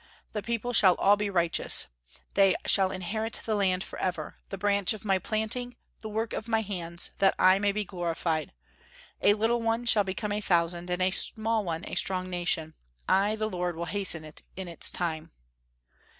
Thy people shall be all righteous; they shall inherit the land forever, the branch of my planting, the work of my hands, that I may be glorified. A little one shall become a thousand, and a small one a strong nation: I the Lord will hasten it in its time."